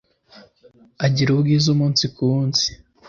Agira ubwiza umunsi ku munsi. (Pun_intended)